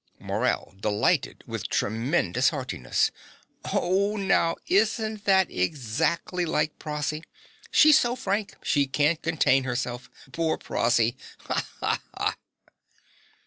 MORELL (delighted with tremendous heartiness). Oh, now, isn't that EXACTLY like Prossy? She's so frank: she can't contain herself! Poor Prossy! Ha! Ha!